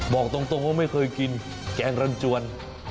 บอกตรงว่าไม่เคยกินแกงรันจวน